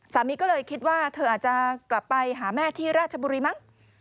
สามีก็เลยคิดว่าเธออาจจะกลับไปหาแม่ที่ราชบุรีมั้ง